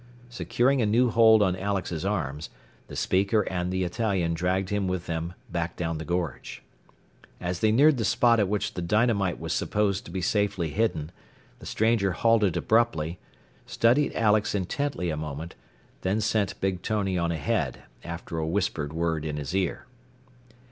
Securing a new hold on Alex's arms, the speaker and the Italian dragged him with them back down the gorge. As they neared the spot at which the dynamite was supposed to be safely hidden, the stranger halted abruptly, studied Alex intently a moment, then sent Big Tony on ahead, after a whispered word in his ear.